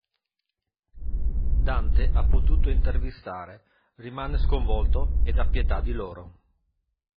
Dante ha potuto intervistare rimane sconvolto ed ha pietà di loro.